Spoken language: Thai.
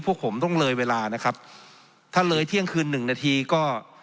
พวกผมต้องเลยเวลานะครับถ้าเลยเที่ยงคืนหนึ่งนาทีก็